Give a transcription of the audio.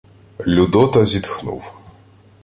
Людота зітхнув.